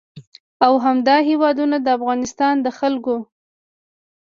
او همدا هېوادونه د افغانستان د خلکو